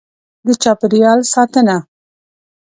. د چاپېریال ساتنه: